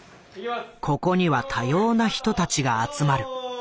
ここには多様な人たちが集まる。